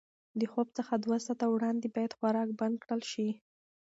د خوب څخه دوه ساعته وړاندې باید خوراک بند کړل شي.